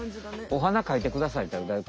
お花かいてくださいっていったら。